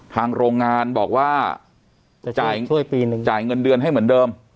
โรงงานบอกว่าจะจ่ายช่วยปีนึงจ่ายเงินเดือนให้เหมือนเดิม